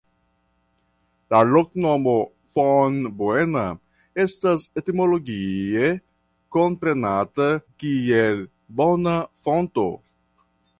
La loknomo "Fombuena" estas etimologie komprenebla kiel "Bona Fonto".